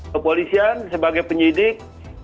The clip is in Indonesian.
kepolisian sebagai penyidik